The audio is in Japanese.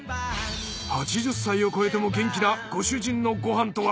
８０歳を超えても元気なご主人のご飯とは？